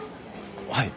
はい。